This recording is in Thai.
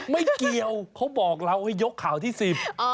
ไม่เกี่ยวเขาบอกเราให้ยกข่าวที่สิบ